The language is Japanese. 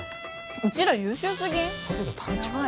うちら優秀すぎん？